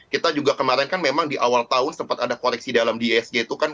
kita juga kemarin kan memang di awal tahun sempat ada koreksi dalam di isg itu kan